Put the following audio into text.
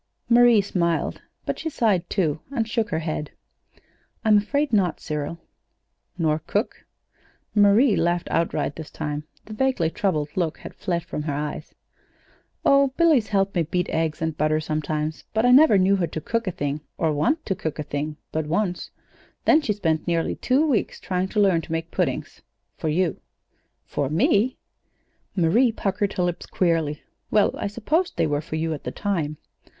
Marie smiled, but she sighed, too, and shook her head. "I'm afraid not, Cyril." "Nor cook?" Marie laughed outright this time. The vaguely troubled look had fled from her eyes "Oh, Billy's helped me beat eggs and butter sometimes, but I never knew her to cook a thing or want to cook a thing, but once; then she spent nearly two weeks trying to learn to make puddings for you." "For me!" Marie puckered her lips queerly. "Well, I supposed they were for you at the time.